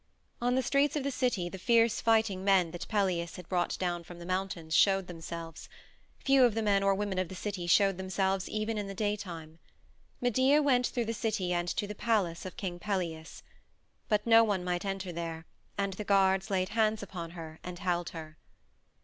On the streets of the city the fierce fighting men that Pelias had brought down from the mountains showed themselves; few of the men or women of the city showed themselves even in the daytime. Medea went through the city and to the palace of King Pelias. But no one might enter there, and the guards laid hands upon her and held her.